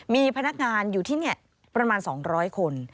มีพนักงานอยู่ที่นี่ประมาณ๒๐๐คน